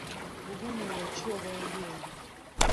Bubonero ki obw'endya embi?